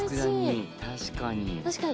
確かに。